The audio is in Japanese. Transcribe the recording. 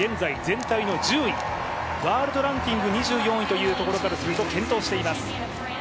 ワールドランキング２４位というとこからすると健闘しています。